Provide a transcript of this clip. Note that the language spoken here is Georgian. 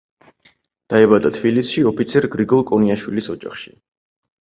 დაიბადა თბილისში, ოფიცერ გრიგოლ კონიაშვილის ოჯახში.